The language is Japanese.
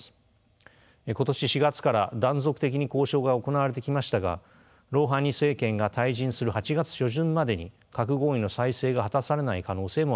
今年４月から断続的に交渉が行われてきましたがロウハニ政権が退陣する８月初旬までに核合意の再生が果たされない可能性もあります。